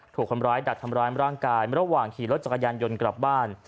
ถูกคนร้ายดักทำร้ายร่างกายระหว่างขี่รถจักรยานยนต์กลับบ้าน